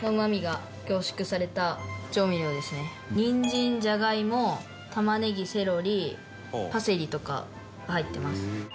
にんじんじゃがいも玉ねぎセロリパセリとかが入ってます。